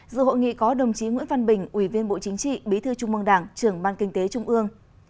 dự hội nghị có đồng chí nguyễn văn bình ủy viên bộ chính trị bí thư trung mương đảng trưởng ban kinh tế trung ương